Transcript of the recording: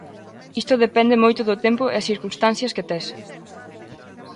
Isto depende moito do tempo e as circunstancias que tes.